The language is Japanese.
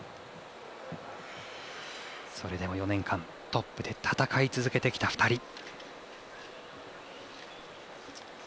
それでも４年間トップで戦い続けてきた２人。